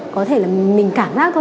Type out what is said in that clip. có thể là mình cảm giác thôi